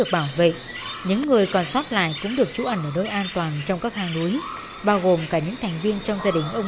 mọi người đều được sơ tán đến nơi trú ẩn an toàn